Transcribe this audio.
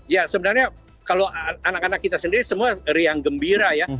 ya sebenarnya kalau anak anak kita sendiri semua riang gembira ya